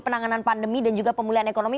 penanganan pandemi dan juga pemulihan ekonomi